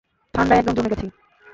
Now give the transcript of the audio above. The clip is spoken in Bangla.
ঠান্ডায় একদম জমে গেছি!